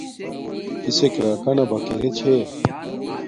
کسک راکانا باکیرے چھے